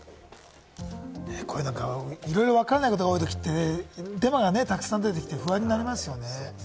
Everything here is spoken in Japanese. いろいろわかんないことが多いときってデマがたくさん出てきて、不安になりますよね。